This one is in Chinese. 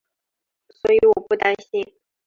所以我不担心